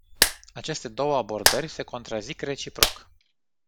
Aceste două abordări se contrazic reciproc.